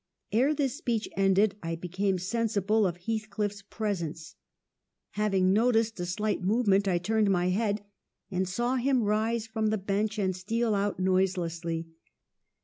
" Ere this speech ended, I became sensible of Heathcliff' s presence. Having noticed a slight movement, I turned my head, and saw him rise from the bench and steal out noiselessly.